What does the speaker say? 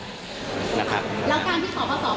แล้วการที่ขอประสอบมาตรวจก่อนทั้งที่หลักฐานที่น้องคลายยังมาไม่ถึง